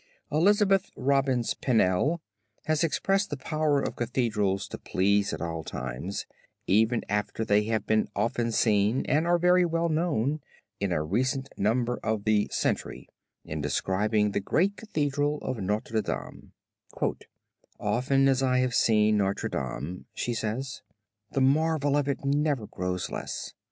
Elizabeth Robbins Pennell has expressed this power of Cathedrals to please at all times, even after they have been often seen and are very well known, in a recent number of the Century, in describing the great Cathedral of Notre Dame, "Often as I have seen Notre Dame," she says, "the marvel of it never grows less.